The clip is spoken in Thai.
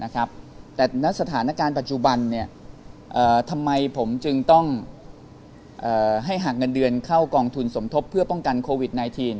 แต่ณสถานการณ์ปัจจุบันทำไมผมจึงต้องให้หากเงินเดือนเข้ากองทุนสมทบเพื่อป้องกันโควิด๑๙